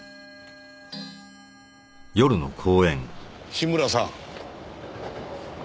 樋村さん。